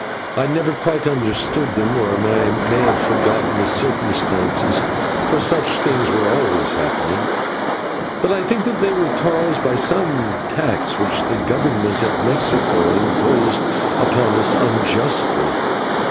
I never quite understood them, or I may have forgotten the circumstances, for such things were always happening, but I think that they were caused by some tax which the government at Mexico had imposed upon us unjustly.